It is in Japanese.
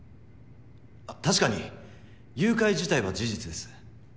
確かに誘拐自体は事実です。